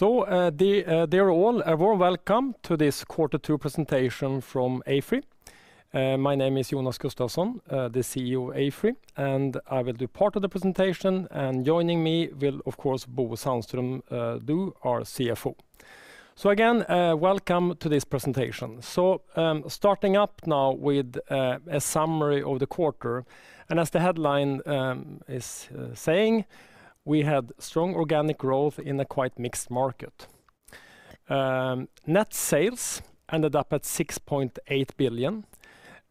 Dear all, a warm welcome to this quarter two presentation from AFRY. My name is Jonas Gustavsson, the CEO of AFRY, and I will do part of the presentation, and joining me will, of course, Bo Sandström, our CFO. Again, welcome to this presentation. Starting up now with a summary of the quarter, and as the headline is saying, we had strong organic growth in a quite mixed market. Net sales ended up at 6.8 billion,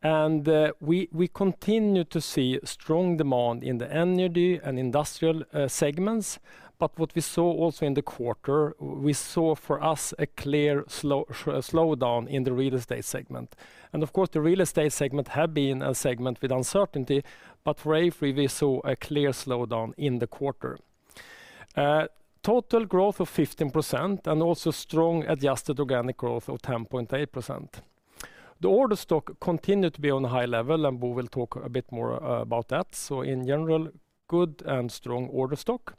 and we continued to see strong demand in the Energy and Industrial segments. What we saw also in the quarter, we saw for us a clear slowdown in the real estate segment. Of course, the real estate segment had been a segment with uncertainty, for AFRY, we saw a clear slowdown in the quarter. Total growth of 15% and also strong adjusted organic growth of 10.8%. The order stock continued to be on a high level, and Bo will talk a bit more about that. In general, good and strong order stock.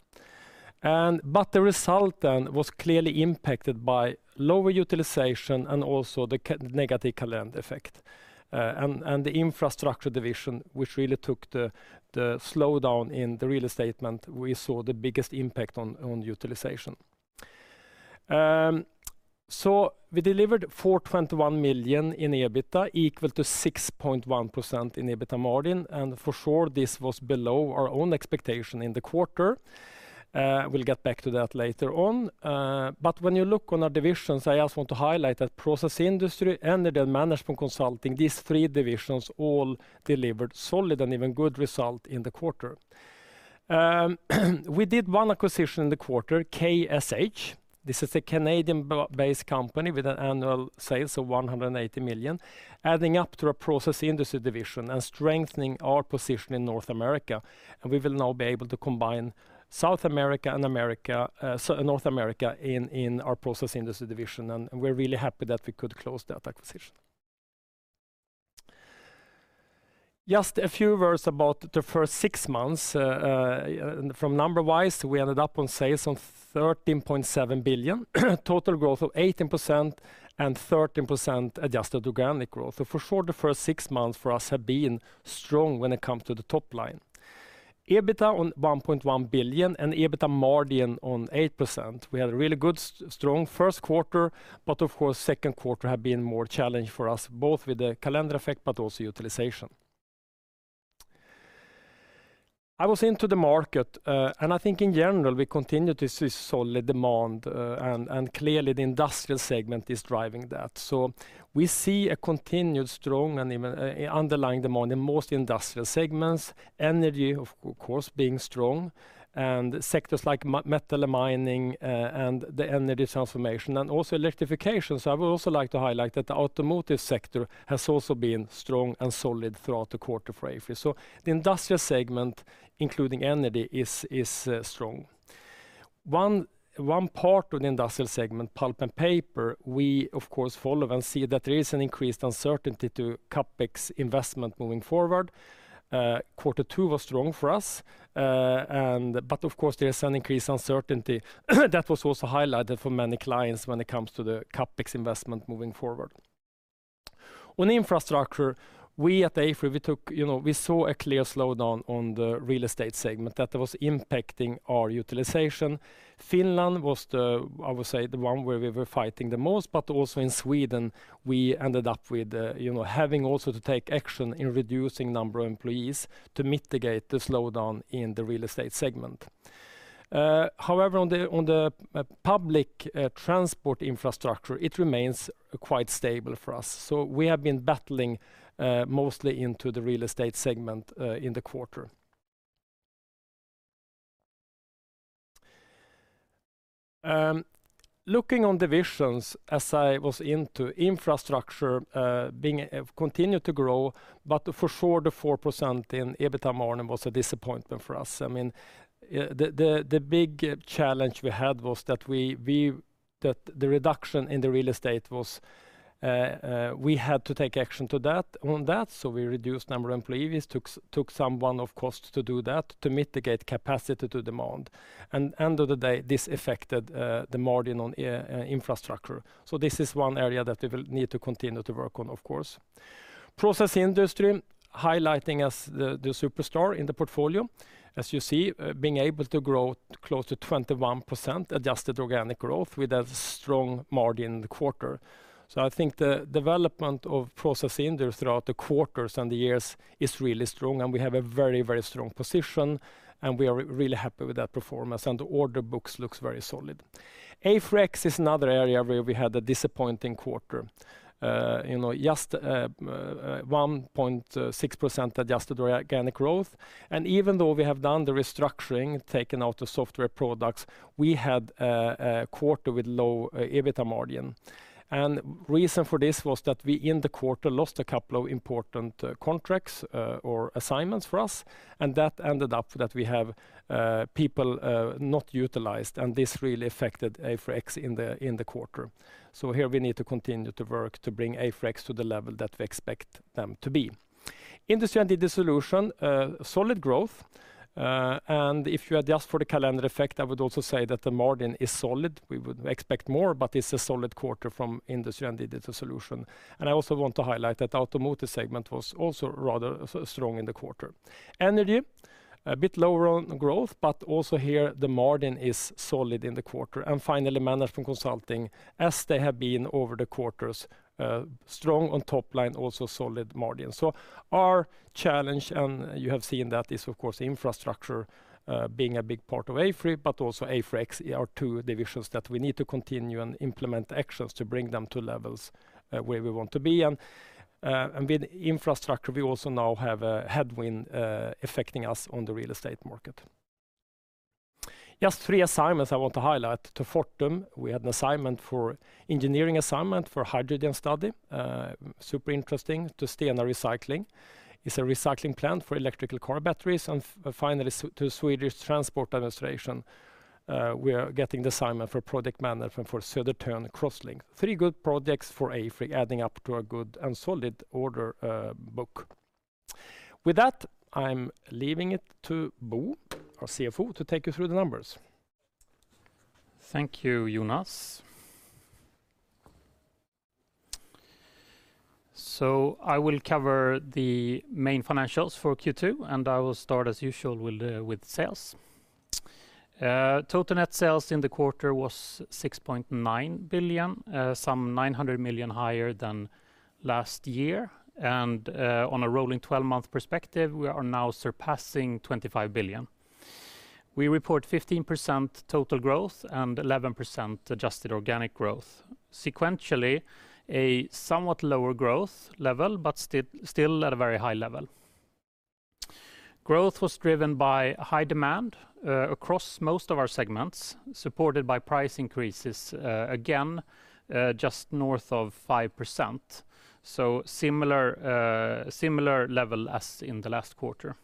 The result then was clearly impacted by lower utilization and also the negative calendar effect. The Infrastructure division, which really took the slowdown in the real estate segment, we saw the biggest impact on utilization. We delivered 421 million in EBITDA, equal to 6.1% in EBITDA margin, and for sure, this was below our own expectation in the quarter. We'll get back to that later on. When you look on our divisions, I also want to highlight that Process Industries, Energy, and Management Consulting, these three divisions all delivered solid and even good result in the quarter. We did one acquisition in the quarter, KSH. This is a Canadian-based company with an annual sales of 180 million, adding up to our Process Industries division and strengthening our position in North America. We will now be able to combine South America and America, so North America in our Process Industries division, and we're really happy that we could close that acquisition. Just a few words about the first six months, from number wise, we ended up on sales on 13.7 billion, total growth of 18% and 13% adjusted organic growth. For sure, the first six months for us have been strong when it come to the top line. EBITDA on 1.1 billion and EBITDA margin on 8%. We had a really good, strong Q1, but of course, Q2 have been more challenged for us, both with the calendar effect but also utilization. I was into the market, and I think in general, we continue to see solid demand, and clearly, the industrial segment is driving that. We see a continued strong and even underlying demand in most industrial segments, Energy, of course, being strong, and sectors like metal and mining, and the energy transformation, and also electrification. I would also like to highlight that the automotive sector has also been strong and solid throughout the quarter for AFRY. The industrial segment, including Energy, is strong. One part of the industrial segment, pulp and paper, we of course, follow and see that there is an increased uncertainty to CapEx investment moving forward. Q2 was strong for us, and, but of course, there is an increased uncertainty, that was also highlighted for many clients when it comes to the CapEx investment moving forward. On Infrastructure, we at AFRY, we took, you know, we saw a clear slowdown on the real estate segment, that was impacting our utilization. Finland was the, I would say, the one where we were fighting the most, but also in Sweden, we ended up with, you know, having also to take action in reducing number of employees to mitigate the slowdown in the real estate segment. However, on the public transport infrastructure, it remains quite stable for us. We have been battling mostly into the real estate segment in the quarter. Looking on divisions, as I was into Infrastructure, being continued to grow, but for sure, the 4% in EBITDA margin was a disappointment for us. I mean, the big challenge we had was that we that the reduction in the real estate was. We had to take action to that, on that, so we reduced number of employees, took some one, of course, to do that, to mitigate capacity to demand. End of the day, this affected the margin on Infrastructure. This is one area that we will need to continue to work on, of course. Process Industries, highlighting as the superstar in the portfolio, as you see, being able to grow close to 21% adjusted organic growth with a strong margin in the quarter. I think the development of Process Industries throughout the quarters and the years is really strong, and we have a very strong position, and we are really happy with that performance, and the order books looks very solid. AFRY X is another area where we had a disappointing quarter. You know, just 1.6% adjusted organic growth, and even though we have done the restructuring, taken out the software products, we had a quarter with low EBITDA margin. Reason for this was that we, in the quarter, lost a couple of important contracts or assignments for us, and that ended up that we have people not utilized, and this really affected AFRY X in the quarter. Here, we need to continue to work to bring AFRY X to the level that we expect them to be. Industrial & Digital Solutions, solid growth. If you adjust for the calendar effect, I would also say that the margin is solid. We would expect more, but it's a solid quarter from Industrial & Digital Solutions. I also want to highlight that Automotive segment was also rather strong in the quarter. Energy, a bit lower on growth, but also here, the margin is solid in the quarter. Finally, Management Consulting, as they have been over the quarters, strong on top line, also solid margin. Our challenge, and you have seen that, is, of course, Infrastructure, being a big part of AFRY, but also AFRY X, our two divisions that we need to continue and implement actions to bring them to levels where we want to be. With Infrastructure, we also now have a headwind affecting us on the real estate market. Just three assignments I want to highlight. To Fortum, we had an assignment for engineering assignment for hydrogen study. Super interesting. To Stena Recycling, it's a recycling plant for electrical car batteries. Finally, to Swedish Transport Administration, we are getting the assignment for project management for Södertörn Crosslink. Three good projects for AFRY, adding up to a good and solid order book. With that, I'm leaving it to Bo, our CFO, to take you through the numbers. Thank you, Jonas. I will cover the main financials for Q2, and I will start, as usual, with sales. Total net sales in the quarter was 6.9 billion, some 900 million higher than last year. On a rolling 12-month perspective, we are now surpassing 25 billion. We report 15% total growth and 11% adjusted organic growth. Sequentially, a somewhat lower growth level, but still at a very high level. Growth was driven by high demand across most of our segments, supported by price increases again just north of 5%. Similar level as in the last quarter.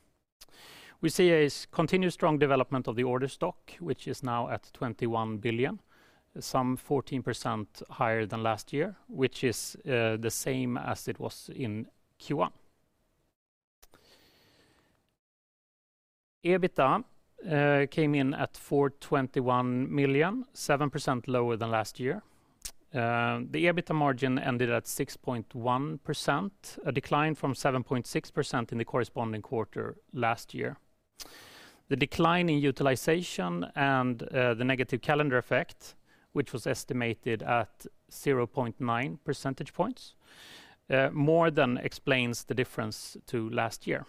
We see a continued strong development of the order stock, which is now at 21 billion, some 14% higher than last year, which is the same as it was in Q1. EBITDA came in at 421 million, 7% lower than last year. The EBITDA margin ended at 6.1%, a decline from 7.6% in the corresponding quarter last year. The decline in utilization and the negative calendar effect, which was estimated at 0.9 percentage points, more than explains the difference to last year.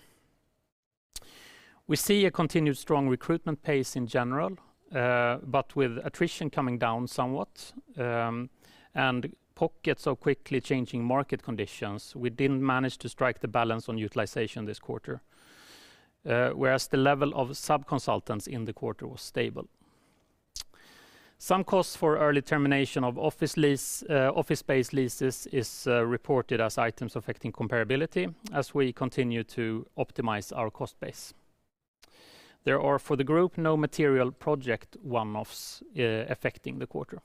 We see a continued strong recruitment pace in general, but with attrition coming down somewhat, and pockets of quickly changing market conditions, we didn't manage to strike the balance on utilization this quarter, whereas the level of sub-consultants in the quarter was stable. Some costs for early termination of office lease, office space leases is reported as items affecting comparability as we continue to optimize our cost base. There are, for the group, no material project one-offs affecting the quarter.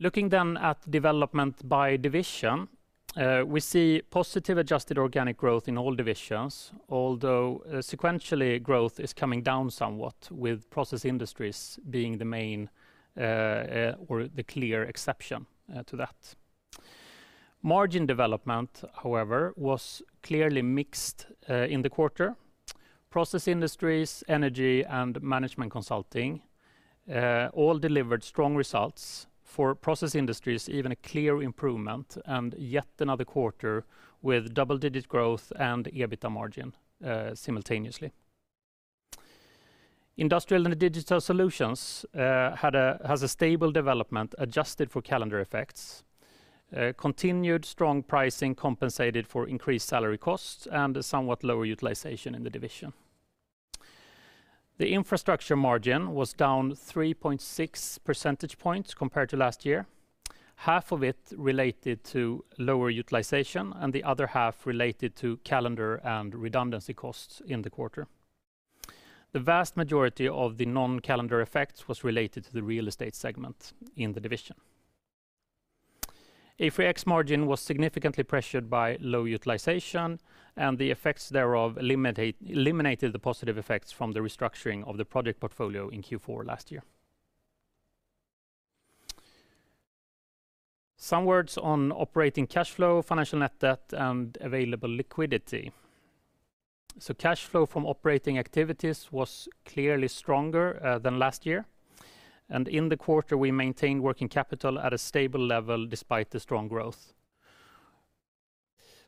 Looking at development by division, we see positive adjusted organic growth in all divisions, although sequentially, growth is coming down somewhat with Process Industries being the main or the clear exception to that. Margin development, however, was clearly mixed in the quarter. Process Industries, Energy, and Management Consulting all delivered strong results. For Process Industries, even a clear improvement, and yet another quarter with double-digit growth and EBITDA margin simultaneously. Industrial & Digital Solutions has a stable development adjusted for calendar effects. Continued strong pricing compensated for increased salary costs and a somewhat lower utilization in the division. The infrastructure margin was down 3.6 percentage points compared to last year, half of it related to lower utilization, and the other half related to calendar and redundancy costs in the quarter. The vast majority of the non-calendar effects was related to the real estate segment in the division. AFRY X margin was significantly pressured by low utilization, and the effects thereof eliminated the positive effects from the restructuring of the project portfolio in Q4 last year. Some words on operating cash flow, financial net debt, and available liquidity. Cash flow from operating activities was clearly stronger than last year, and in the quarter, we maintained working capital at a stable level despite the strong growth.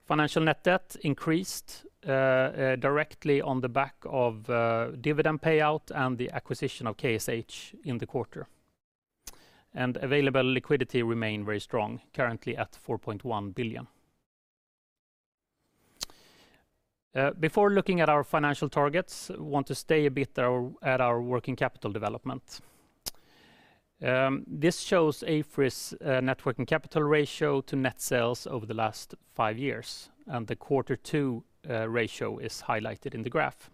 Financial net debt increased directly on the back of dividend payout and the acquisition of KSH in the quarter. Available liquidity remained very strong, currently at 4.1 billion. Before looking at our financial targets, want to stay a bit at our working capital development. This shows AFRY's net working capital ratio to net sales over the last five years, and the Q2 ratio is highlighted in the graph.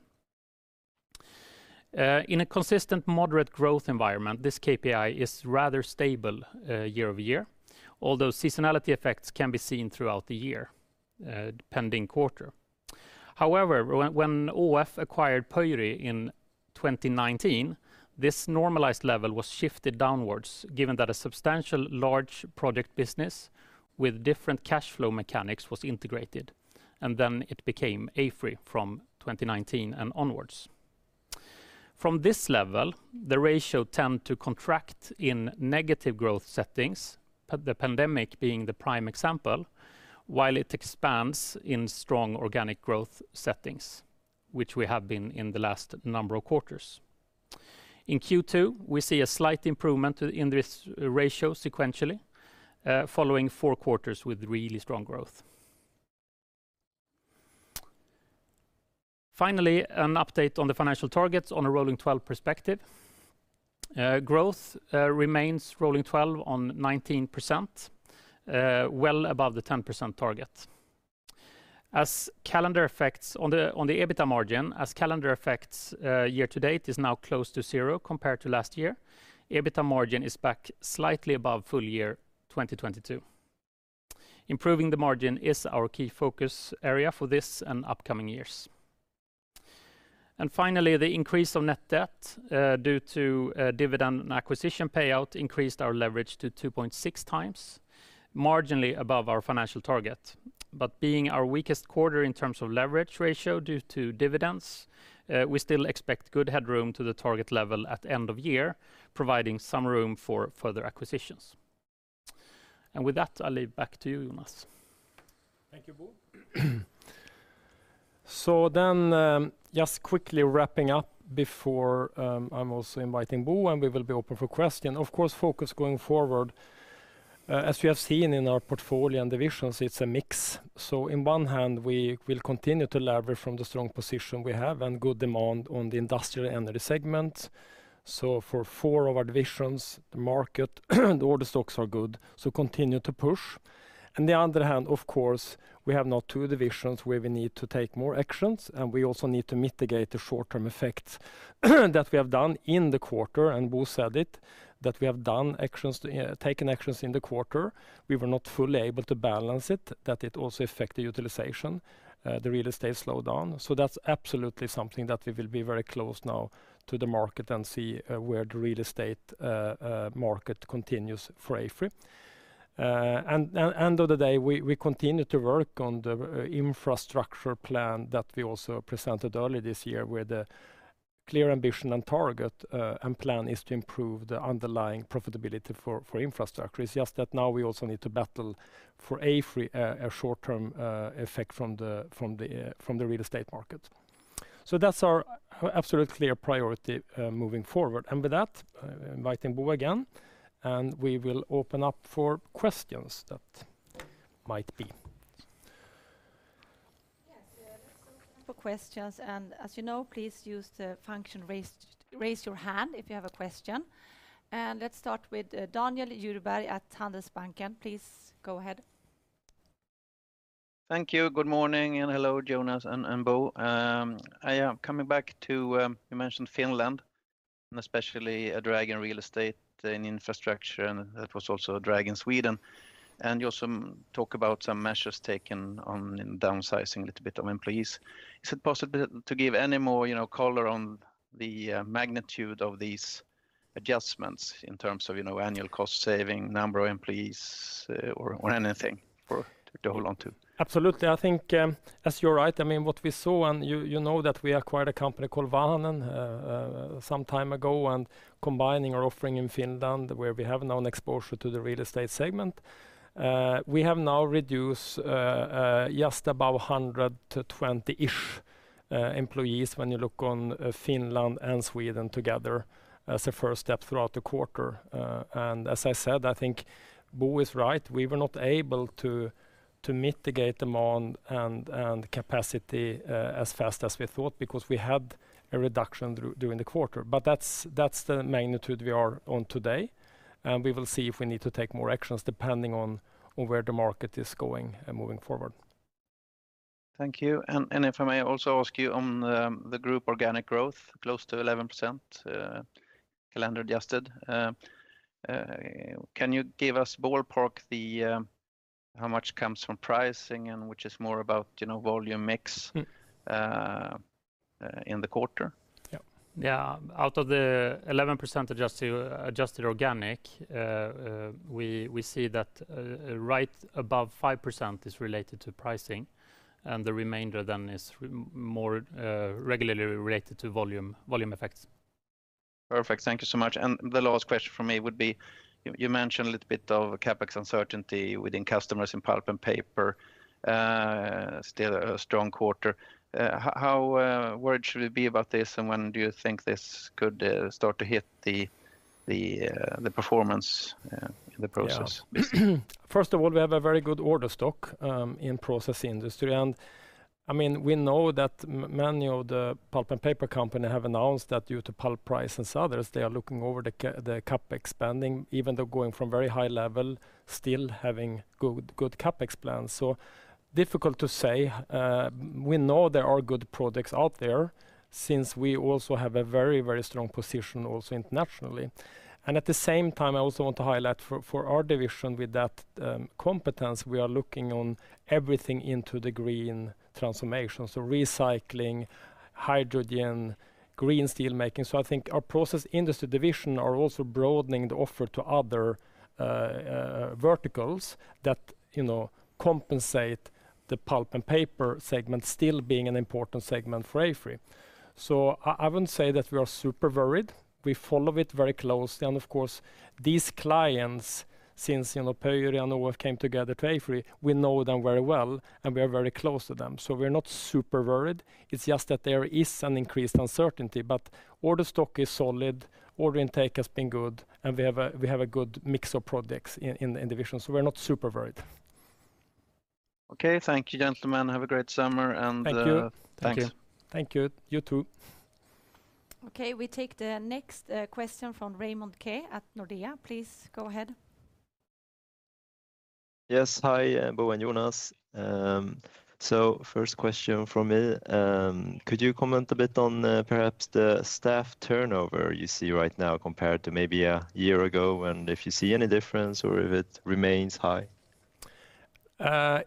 In a consistent moderate growth environment, this KPI is rather stable year-over-year, although seasonality effects can be seen throughout the year, depending quarter. However, when ÅF acquired Pöyry in 2019, this normalized level was shifted downwards, given that a substantial large project business with different cash flow mechanics was integrated, and then it became AFRY from 2019 and onwards. From this level, the ratio tend to contract in negative growth settings, the pandemic being the prime example, while it expands in strong organic growth settings, which we have been in the last number of quarters. In Q2, we see a slight improvement in this ratio sequentially, following Q4 with really strong growth. Finally, an update on the financial targets on a rolling 12 perspective. Growth remains rolling 12 on 19%, well above the 10% target. As calendar effects on the EBITDA margin, as calendar effects year to date is now close to zero compared to last year, EBITDA margin is back slightly above full year 2022. Improving the margin is our key focus area for this and upcoming years. Finally, the increase of net debt, due to, dividend and acquisition payout increased our leverage to 2.6 times, marginally above our financial target. Being our weakest quarter in terms of leverage ratio due to dividends, we still expect good headroom to the target level at end of year, providing some room for further acquisitions. With that, I'll leave back to you, Jonas. Thank you, Bo. Just quickly wrapping up before, I'm also inviting Bo, and we will be open for question. Of course, focus going forward, as we have seen in our portfolio and divisions, it's a mix. In one hand, we will continue to leverage from the strong position we have and good demand on the industrial and the segment. For four of our divisions, the market, the order stocks are good, so continue to push. On the other hand, of course, we have now two divisions where we need to take more actions, and we also need to mitigate the short-term effects, that we have done in the quarter, and Bo said it, that we have done actions, taken actions in the quarter. We were not fully able to balance it, that it also affect the utilization, the real estate slowed down. That's absolutely something that we will be very close now to the market and see where the real estate market continues for AFRY. End of the day, we continue to work on the infrastructure plan that we also presented earlier this year, where the clear ambition and target and plan is to improve the underlying profitability for infrastructure. It's just that now we also need to battle for AFRY, a short-term effect from the real estate market. That's our absolutely clear priority moving forward. With that, inviting Bo again, and we will open up for questions that might be. Yes, let's open for questions, and as you know, please use the function raise your hand if you have a question. Let's start with Daniel Djurberg at Handelsbanken. Please go ahead. Thank you. Good morning, and hello, Jonas and Bo. I am coming back to, you mentioned Finland, and especially a drag in real estate and Infrastructure, and that was also a drag in Sweden. You also talk about some measures taken on downsizing a little bit of employees. Is it possible to give any more, you know, color on the magnitude of these adjustments in terms of, you know, annual cost saving, number of employees, or anything for, to hold on to? Absolutely. I think, as you're right, I mean, what we saw, and you know, that we acquired a company called Vahanen some time ago, and combining our offering in Finland, where we have now an exposure to the real estate segment. We have now reduced just about 120-ish employees when you look on Finland and Sweden together as a first step throughout the quarter. As I said, I think Bo is right. We were not able to mitigate demand and capacity as fast as we thought because we had a reduction during the quarter. That's the magnitude we are on today, and we will see if we need to take more actions, depending on where the market is going moving forward. Thank you. If I may also ask you on the group organic growth, close to 11% calendar adjusted. Can you give us ballpark the how much comes from pricing and which is more about, you know, volume mix- Mm. in the quarter? Yeah. Yeah. Out of the 11% adjusted organic, we see that right above 5% is related to pricing, and the remainder then is more regularly related to volume effects. Perfect. Thank you so much. The last question from me would be, you mentioned a little bit of CapEx uncertainty within customers in pulp and paper, still a strong quarter. How worried should we be about this? When do you think this could start to hit the performance in the Process? First of all, we have a very good order stock in Process Industries. I mean, we know that many of the pulp and paper company have announced that due to pulp price and others, they are looking over the CapEx spending, even though going from very high level, still having good CapEx plans. Difficult to say, we know there are good products out there, since we also have a very strong position also internationally. At the same time, I also want to highlight for our division with that competence, we are looking on everything into the green transformation: so recycling, hydrogen, green steel making. I think our Process Industries division are also broadening the offer to other verticals that, you know, compensate the pulp and paper segment, still being an important segment for AFRY. I wouldn't say that we are super worried. We follow it very closely, and of course, these clients, since, you know, Pöyry and all came together to AFRY, we know them very well, and we are very close to them. We're not super worried, it's just that there is an increased uncertainty. Order stock is solid, order intake has been good, and we have a good mix of products in the division, so we're not super worried. Okay, thank you, gentlemen. Have a great summer. Thank you. Thanks. Thank you. Thank you. You, too. Okay, we take the next question from Raymond Ke at Nordea. Please, go ahead. Yes. Hi, Bo and Jonas. First question from me, could you comment a bit on perhaps the staff turnover you see right now compared to maybe a year ago, and if you see any difference, or if it remains high?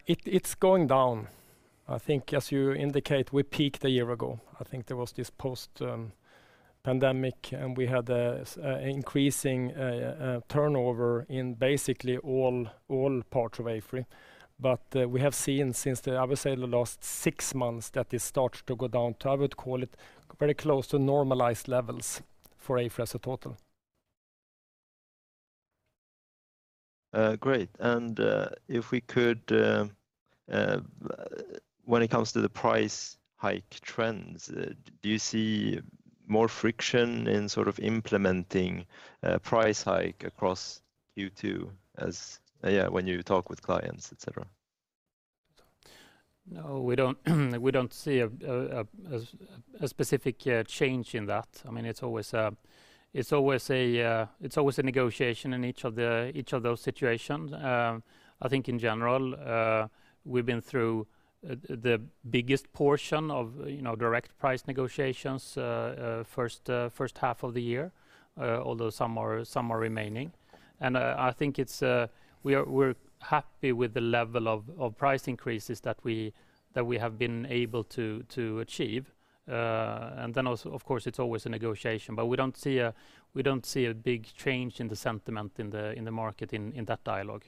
It's going down. I think, as you indicate, we peaked a year ago. I think there was this post, pandemic, and we had a increasing turnover in basically all parts of AFRY. We have seen since the, I would say, the last six months, that this started to go down to, I would call it, very close to normalized levels for AFRY as a total. Great, if we could, when it comes to the price hike trends, do you see more friction in sort of implementing, price hike across Q2 as, when you talk with clients, et cetera? No, we don't, we don't see a specific change in that. I mean, it's always a negotiation in each of those situations. I think in general, we've been through the biggest portion of, you know, direct price negotiations, H1 of the year, although some are remaining. We're happy with the level of price increases that we have been able to achieve. Also, of course, it's always a negotiation, but we don't see a big change in the sentiment in the market in that dialogue.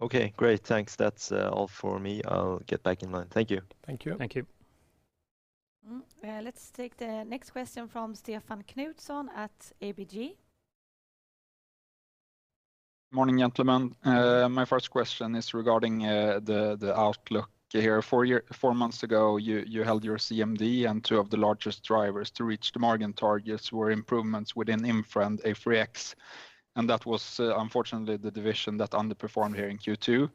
Okay, great. Thanks. That's all for me. I'll get back in line. Thank you. Thank you. Thank you. Let's take the next question from Stefan Knutsson at ABG. Morning, gentlemen. My first question is regarding the outlook here. four months ago, you held your CMD, and two of the largest drivers to reach the margin targets were improvements within Infra and AFRY X, and that was unfortunately the division that underperformed here in Q2.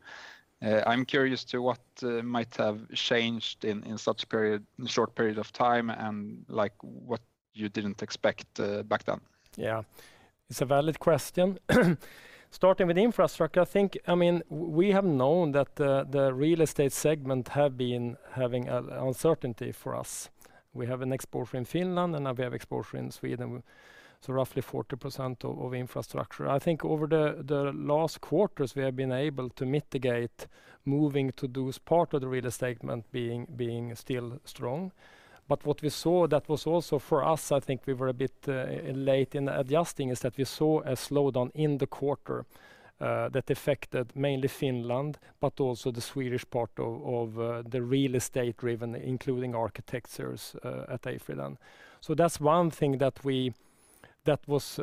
I'm curious to what might have changed in such a period, short period of time, and, like, what you didn't expect back then? Yeah, it's a valid question. Starting with Infrastructure, I think, I mean, we have known that the real estate segment have been having an uncertainty for us. We have an exposure in Finland, and now we have exposure in Sweden, so roughly 40% of Infrastructure. I think over the last quarters, we have been able to mitigate, moving to those part of the real estate segment being still strong. What we saw that was also for us, I think we were a bit late in adjusting, is that we saw a slowdown in the quarter that affected mainly Finland, but also the Swedish part of the real estate-driven, including architectures at Infrastructure. That's one thing that we... That was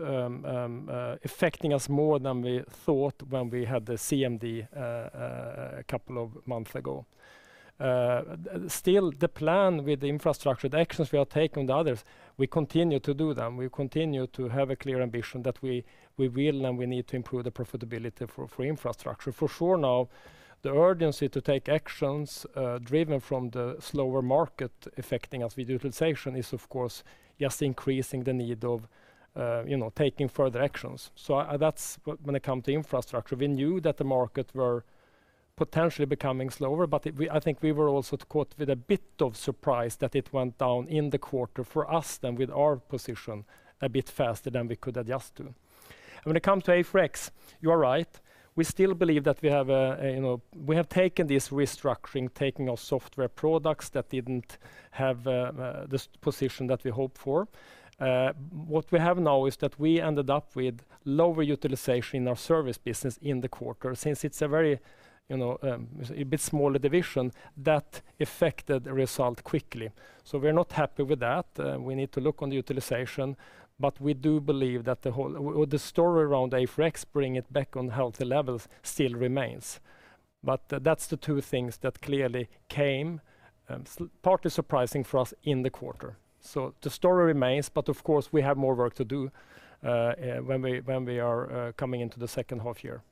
affecting us more than we thought when we had the CMD a couple of months ago. Still, the plan with the Infrastructure, the actions we are taking, the others, we continue to do them. We continue to have a clear ambition that we will, and we need to improve the profitability for Infrastructure. For sure now, the urgency to take actions, driven from the slower market affecting us with utilization is, of course, just increasing the need of, you know, taking further actions. That's when it come to Infrastructure, we knew that the market were potentially becoming slower, but I think we were also caught with a bit of surprise that it went down in the quarter for us, than with our position, a bit faster than we could adjust to. When it come to AFRY X, you are right. We still believe that we have a, you know. We have taken this restructuring, taking our software products that didn't have the position that we hoped for. What we have now is that we ended up with lower utilization in our service business in the quarter. Since it's a very, you know, a bit smaller division, that affected the result quickly. We're not happy with that, we need to look on the utilization, but we do believe that the whole. With the story around AFRY X, bringing it back on healthy levels, still remains. That's the two things that clearly came partly surprising for us in the quarter. The story remains, but of course, we have more work to do, when we are coming into the H2 year.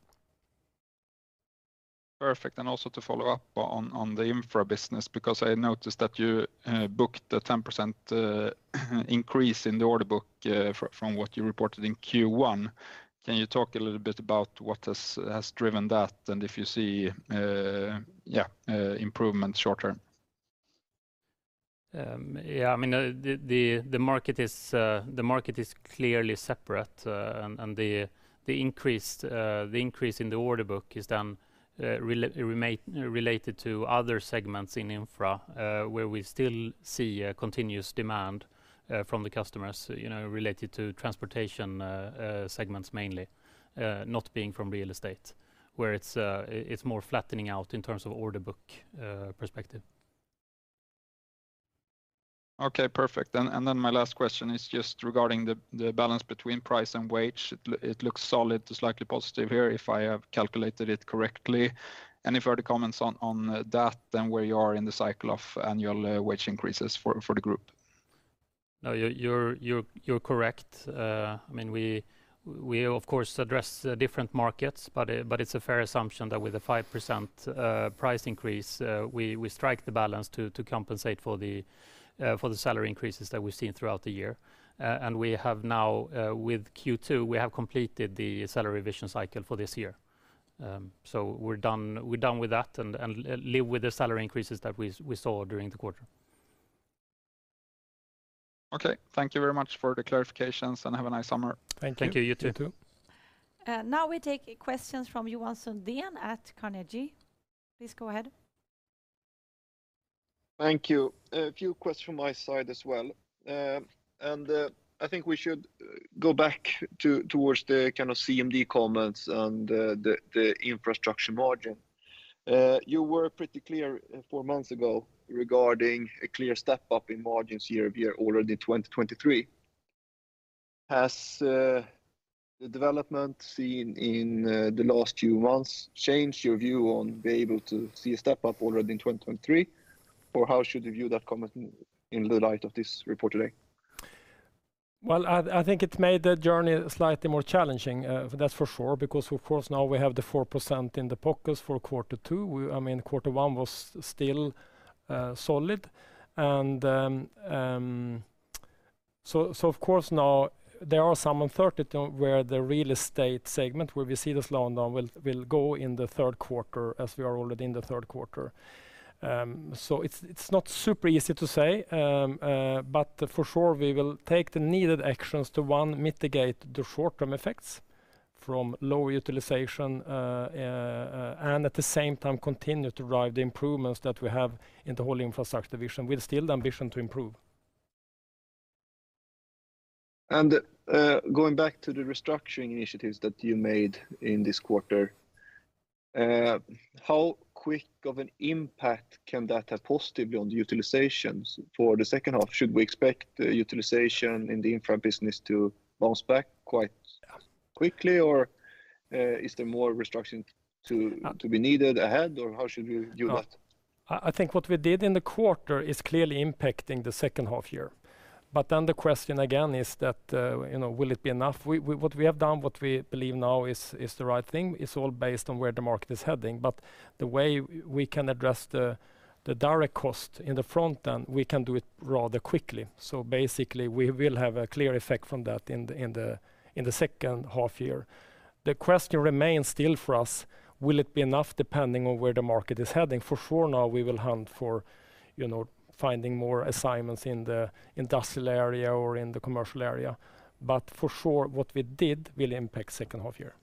Perfect, also to follow up on the infra business, because I noticed that you booked a 10% increase in the order book from what you reported in Q1. Can you talk a little bit about what has driven that, and if you see improvement short term? Yeah, I mean, the market is clearly separate. The increase in the order book is then related to other segments in Infrastructure, where we still see a continuous demand from the customers, you know, related to transportation segments mainly, not being from real estate, where it's more flattening out in terms of order book perspective. Okay, perfect. Then my last question is just regarding the balance between price and wage. It looks solid to slightly positive here, if I have calculated it correctly. Any further comments on that, then where you are in the cycle of annual wage increases for the group? No, you're correct. I mean, we of course address different markets, but it's a fair assumption that with a 5% price increase, we strike the balance to compensate for the salary increases that we've seen throughout the year. We have now, with Q2, we have completed the salary revision cycle for this year. We're done with that, and live with the salary increases that we saw during the quarter. Okay, thank you very much for the clarifications, and have a nice summer. Thank you. Thank you. You too. Now we take questions from Johan Sundén at Carnegie. Please go ahead. Thank you. A few questions from my side as well. I think we should go back towards the kind of CMD comments on the infrastructure margin. You were pretty clear four months ago regarding a clear step-up in margins year-over-year already 2023. Has the development seen in the last few months changed your view on be able to see a step-up already in 2023? Or how should we view that comment in the light of this report today? Well, I think it made the journey slightly more challenging, that's for sure, because, of course, now we have the 4% in the pockets for Q2. I mean, quarter one was still solid. Of course, now there are some uncertainty where the real estate segment, where we see this slowdown, will go in the Q3, as we are already in the Q3. So it's not super easy to say. But for sure, we will take the needed actions to, one, mitigate the short-term effects from lower utilization, and at the same time, continue to drive the improvements that we have in the whole Infrastructure division, with still the ambition to improve. going back to the restructuring initiatives that you made in this quarter, how quick of an impact can that have positively on the utilizations for the second half? Should we expect the utilization in the Infrastructure business to bounce back quite quickly, or, is there more restructuring? Uh... to be needed ahead, or how should we view that? I think what we did in the quarter is clearly impacting the H2 year. The question again is that, you know, will it be enough? What we have done, what we believe now is the right thing, is all based on where the market is heading. The way we can address the direct cost in the front end, we can do it rather quickly. Basically, we will have a clear effect from that in the H2 year. The question remains still for us, will it be enough, depending on where the market is heading? For sure, now we will hunt for, you know, finding more assignments in the industrial area or in the commercial area. For sure, what we did will impact H2 year.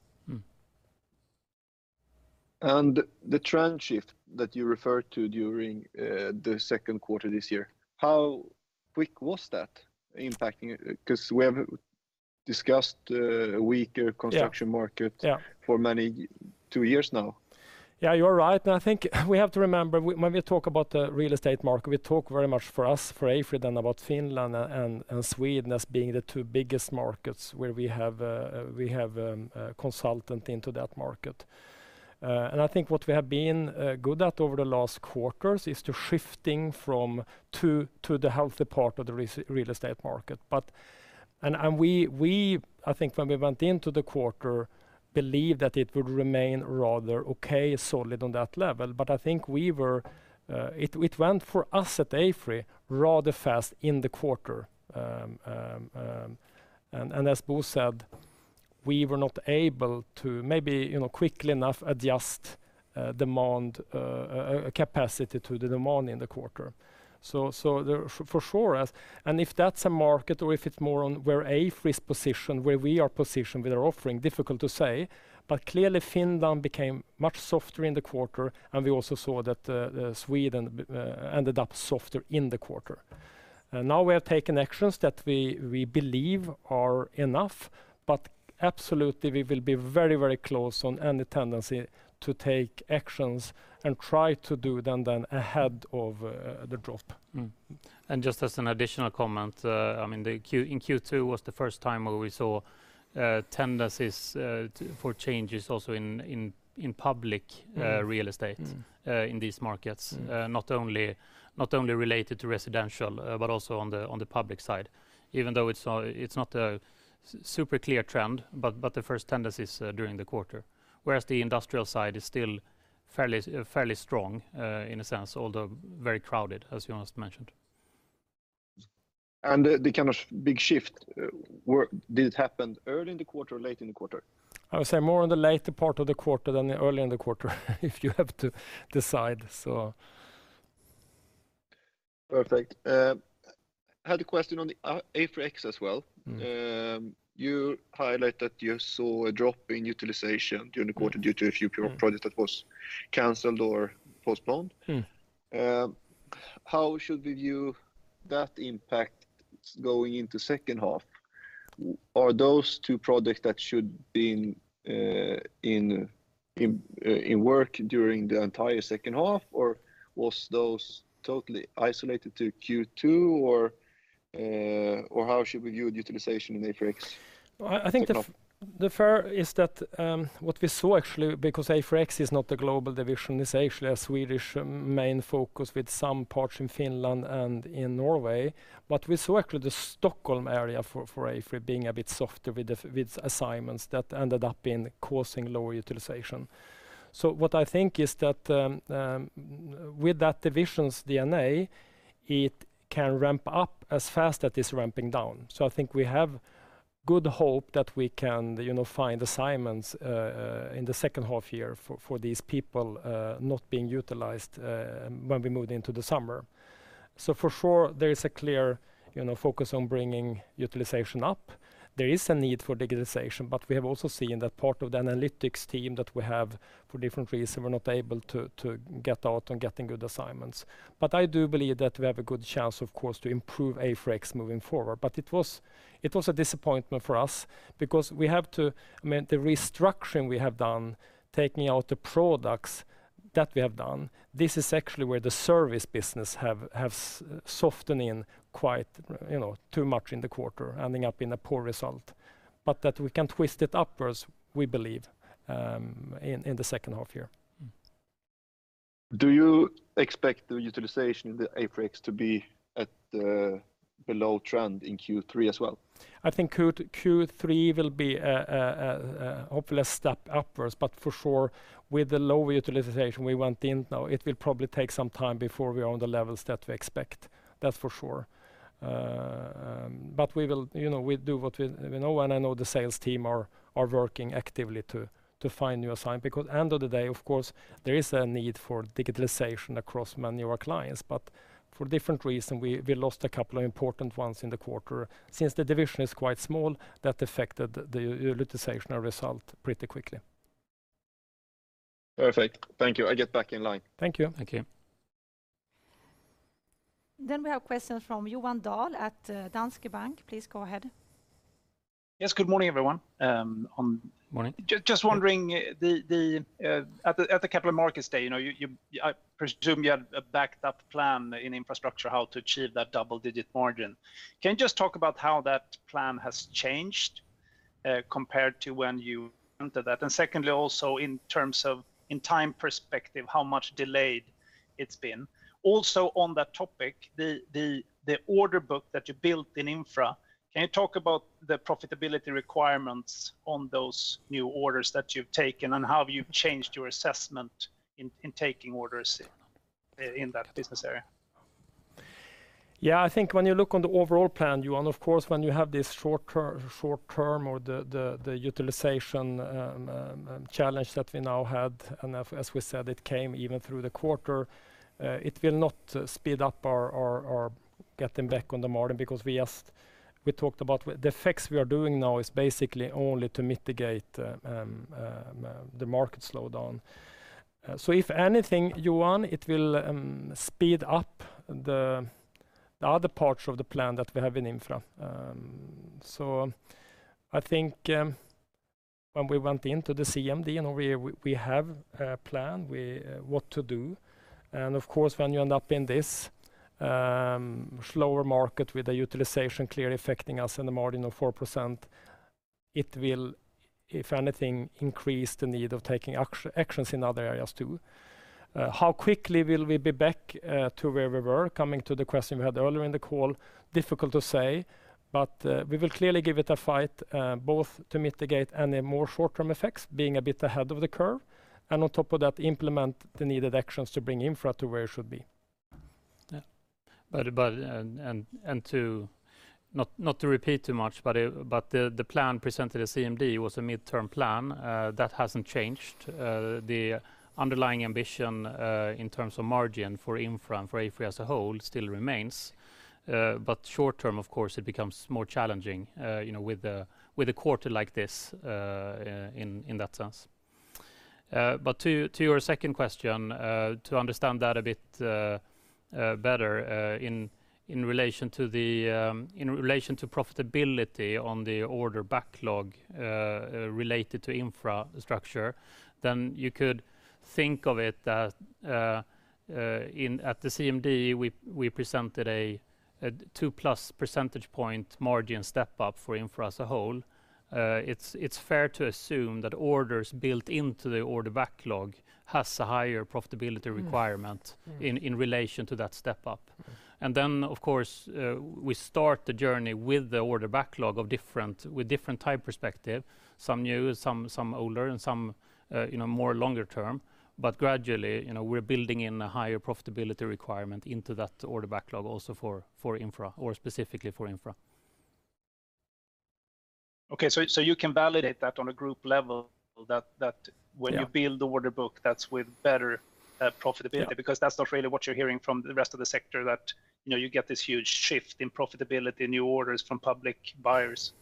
The trend shift that you referred to during the Q2 this year, how quick was that impacting? Because we have discussed. Yeah construction market. Yeah for many, two years now. Yeah, you're right, and I think we have to remember, when we talk about the real estate market, we talk very much for us, for AFRY, then about Finland and Sweden as being the two biggest markets, where we have, we have a consultant into that market. I think what we have been good at over the last quarters is shifting to the healthier part of the real estate market. I think when we went into the quarter, believed that it would remain rather okay, solid on that level. I think we were. It went for us at AFRY, rather fast in the quarter. As Bo said, we were not able to maybe, you know, quickly enough adjust demand, capacity to the demand in the quarter. For sure, if that's a market, or if it's more on where AFRY's position, where we are positioned with our offering, difficult to say, but clearly Finland became much softer in the quarter, and we also saw that Sweden ended up softer in the quarter. Now we have taken actions that we believe are enough. Absolutely we will be very close on any tendency to take actions and try to do them ahead of the drop. Just as an additional comment, I mean, in Q2 was the first time where we saw, tendencies for changes also in public-. Mm real estate. Mm in these markets. Mm. Not only related to residential, but also on the public side. Even though it's not a super clear trend, but the first tendencies during the quarter. The industrial side is still fairly strong, in a sense, although very crowded, as Johan has mentioned. The kind of big shift, where did it happen early in the quarter or late in the quarter? I would say more on the later part of the quarter than early in the quarter, if you have to decide, so. Perfect. Had a question on the, AFRY X as well. Mm. You highlight that you saw a drop in utilization during the quarter due to a few project that was canceled or postponed. Mm. How should we view that impact going into second half? Are those two projects that should be in work during the entire second half, or was those totally isolated to Q2, or how should we view utilization in AFRY X? I think the fair is that, what we saw actually, because AFRY X is not a global division, it's actually a Swedish main focus with some parts in Finland and in Norway. We saw actually the Stockholm area for AFRY being a bit softer with assignments that ended up being causing lower utilization. What I think is that, with that division's DNA, it can ramp up as fast as it's ramping down. I think we have good hope that we can, you know, find assignments in the H2 year for these people not being utilized when we moved into the summer. For sure, there is a clear, you know, focus on bringing utilization up. There is a need for digitalization, we have also seen that part of the analytics team that we have, for different reason, we're not able to get out on getting good assignments. I do believe that we have a good chance, of course, to improve AFRY X moving forward. It was a disappointment for us because we have to... I mean, the restructuring we have done, taking out the products that we have done, this is actually where the service business have softened in quite, you know, too much in the quarter, ending up in a poor result. That we can twist it upwards, we believe, in the H2 year. Do you expect the utilization in the AFRY X to be at below trend in Q3 as well? I think Q3 will be a hopefully a step upwards, but for sure, with the low utilization we went in now, it will probably take some time before we are on the levels that we expect. That's for sure. We will, you know, we do what we know, and I know the sales team are working actively to find new assignment. End of the day, of course, there is a need for digitalization across many of our clients, but for different reason, we lost a couple of important ones in the quarter. Since the division is quite small, that affected the utilization result pretty quickly. Perfect. Thank you. I get back in line. Thank you. Thank you. We have a question from Johan Dahl at Danske Bank. Please go ahead. Yes, good morning, everyone. Morning. Just wondering, at the Capital Markets Day, you know, you, I presume you have a backed up plan in Infrastructure, how to achieve that double-digit margin. Can you just talk about how that plan has changed compared to when you entered that? Secondly, also in terms of in time perspective, how much delayed it's been? Also, on that topic, the order book that you built in Infra, can you talk about the profitability requirements on those new orders that you've taken, and how have you changed your assessment in taking orders in that business area? I think when you look on the overall plan, Johan, of course, when you have this short term or the utilization challenge that we now had, as we said, it came even through the quarter, it will not speed up our getting back on the margin because we just, we talked about the effects we are doing now is basically only to mitigate the market slowdown. If anything, Johan, it will speed up the other parts of the plan that we have in Infra. I think when we went into the CMD, you know, we have a plan, we... What to do. Of course, when you end up in this slower market with the utilization clearly affecting us in the margin of 4%, it will, if anything, increase the need of taking actions in other areas, too. How quickly will we be back to where we were? Coming to the question we had earlier in the call, difficult to say, but we will clearly give it a fight, both to mitigate any more short-term effects, being a bit ahead of the curve, and on top of that, implement the needed actions to bring Infra to where it should be. Yeah. And to, not to repeat too much, but the plan presented at CMD was a midterm plan. That hasn't changed. The underlying ambition, in terms of margin for Infra and for AFRY as a whole still remains. Short term, of course, it becomes more challenging, you know, with a quarter like this, in that sense. To your second question, to understand that a bit better, in relation to the, in relation to profitability on the order backlog, related to infrastructure, then you could think of it as, at the CMD, we presented a 2-plus percentage point margin step up for Infra as a whole. It's fair to assume that orders built into the order backlog has a higher profitability requirement. Mm. in relation to that step up. Of course, we start the journey with the order backlog of different, with different time perspective, some new, some older, and some, you know, more longer term. Gradually, you know, we're building in a higher profitability requirement into that order backlog also for Infra or specifically for Infra. ... Okay, you can validate that on a group level, that... Yeah. when you build the order book, that's with better profitability? Yeah. That's not really what you're hearing from the rest of the sector, that, you know, you get this huge shift in profitability, new orders from public buyers.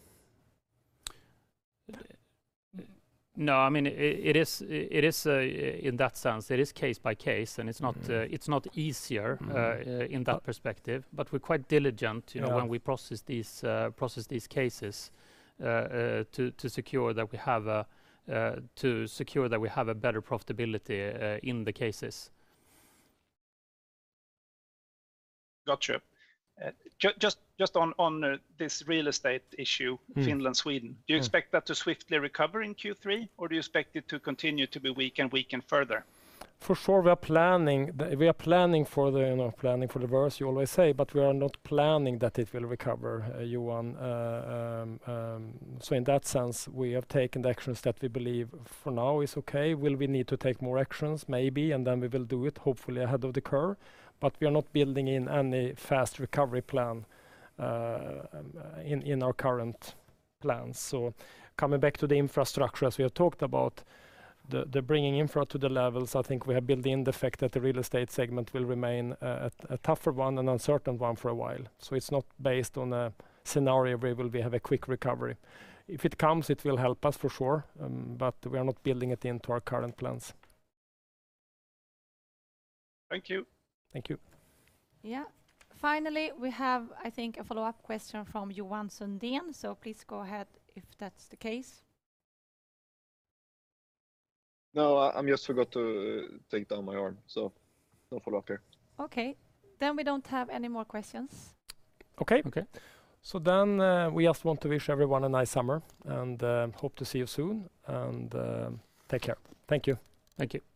No, I mean, it is, in that sense, it is case by case, and it's not- Mm... it's not easier. Uh In that perspective, but we're quite diligent, you know. Yeah ...when we process these cases to secure that we have a better profitability in the cases. Gotcha. just on this real estate issue- Mm... Finland, Sweden. Mm. Do you expect that to swiftly recover in Q3, or do you expect it to continue to be weak and weaken further? For sure, we are planning, we are planning for the, you know, planning for the worst, you always say, but we are not planning that it will recover, Johan. In that sense, we have taken the actions that we believe for now is okay. Will we need to take more actions? Maybe, and then we will do it, hopefully ahead of the curve, but we are not building in any fast recovery plan in our current plans. Coming back to the infrastructure, as we have talked about, the bringing infra to the levels, I think we have built in the fact that the real estate segment will remain a tougher one and uncertain one for a while. It's not based on a scenario where we will have a quick recovery. If it comes, it will help us for sure, but we are not building it into our current plans. Thank you. Thank you. Yeah. Finally, we have, I think, a follow-up question from Johan Sundén. Please go ahead if that's the case. No, I just forgot to take down my arm, so no follow-up here. Okay. we don't have any more questions. Okay. Okay. We just want to wish everyone a nice summer, and hope to see you soon, and take care. Thank you. Thank you.